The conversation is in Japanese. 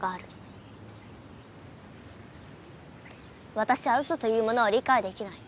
わたしはウソというものを理解できない。